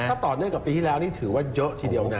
ถ้าต่อเนื่องกับปีที่แล้วนี่ถือว่าเยอะทีเดียวนะ